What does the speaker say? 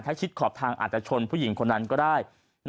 ถ้าชิดขอบทางอาจจะชนผู้หญิงคนนั้นก็ได้